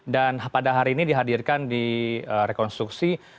dan pada hari ini dihadirkan di rekonstruksi